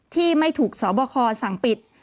ที่ไม่ถูกสบคสั่งปิด